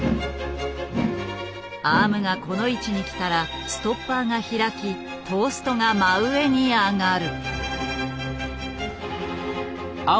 アームがこの位置に来たらストッパーが開きトーストが真上に上がる。